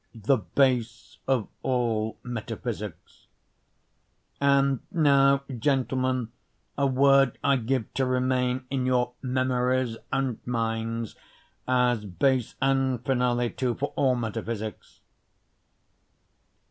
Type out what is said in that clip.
The Base of All Metaphysics And now gentlemen, A word I give to remain in your memories and minds, As base and finale too for all metaphysics.